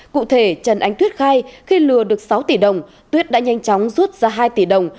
cụ thể trần ánh tuyết khai khi lừa được sáu tỷ đồng tuyết đã nhanh chóng rút ra hai tỷ đồng